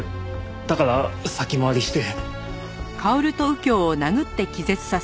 だから先回りして。